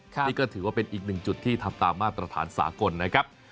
นี่ก็ถือว่าเป็นอีกหนึ่งจุดที่ทำตามมาตรฐานสากลนะครับ